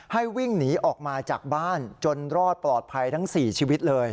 วิ่งหนีออกมาจากบ้านจนรอดปลอดภัยทั้ง๔ชีวิตเลย